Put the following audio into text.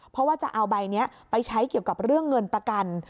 เพราะว่าจะเอาใบนี้ไปใช้เกี่ยวกับเรื่องเงินประกัน